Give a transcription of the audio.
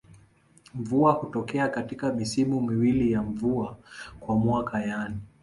Mvua hutokea katika misimu miwili ya mvua kwa mwaka yani